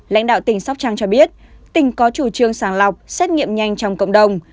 lãnh đạo tỉnh sóc trang cho biết tỉnh có chủ trương sáng lọc xét nghiệm nhanh trong cộng đồng